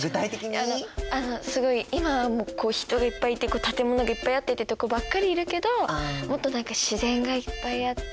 あのすごい今は人がいっぱいいて建物がいっぱいあってってとこばっかりいるけどもっと何か自然がいっぱいあって。